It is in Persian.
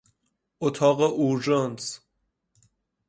اتاق اورژانس